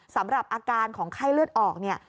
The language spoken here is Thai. สำหรับอาการของไข้เลือดออกเนี่ย